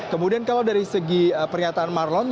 kemudian kalau dari segi pernyataan marlon